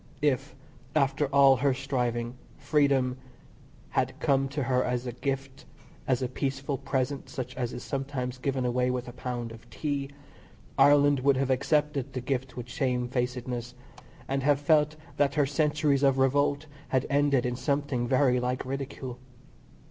If, after all her striving, freedom had come to her as a gift, as a peaceful present such as is sometimes given away with a pound of tea, Ireland would have accepted the gift with shamefacedness, and have felt that her centuries of revolt had ended in something very like ridicule.